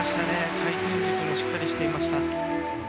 回転軸もしっかりしていました。